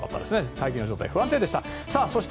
大気の状態不安定でした。